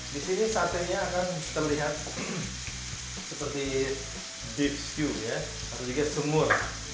disini satenya akan terlihat seperti deep stew ya atau juga semur